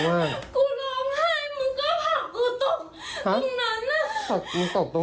หัวฟาดพื้น